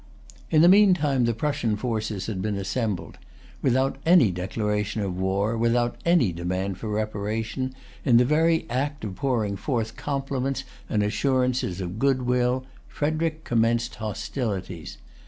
In the meantime the Prussian forces had been assembled. Without any declaration of war, without any demand for reparation, in the very act of pouring forth compliments and assurances of good will, Frederic commenced hostilities.